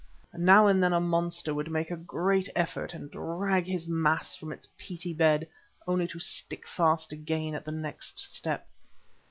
Now and then a monster would make a great effort and drag his mass from its peaty bed, only to stick fast again at the next step.